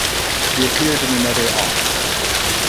He appeared in another Off!